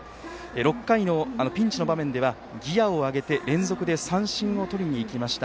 ６回のピンチの場面ではギヤを上げて連続で三振をとりに行きました。